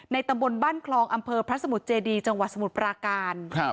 ตำบลบ้านคลองอำเภอพระสมุทรเจดีจังหวัดสมุทรปราการ